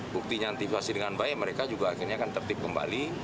buktinya antivasi dengan baik mereka juga akhirnya akan tertip kembali